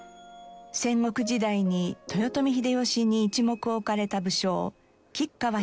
戦国時代に豊臣秀吉に一目置かれた武将吉川広家が築いた山城。